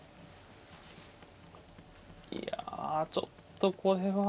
いやちょっとこれは。